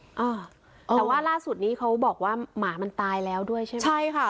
อ่าแต่ว่าล่าสุดนี้เขาบอกว่าหมามันตายแล้วด้วยใช่ไหมใช่ค่ะ